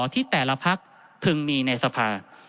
ที่แต่ละพักพึงมีในสภา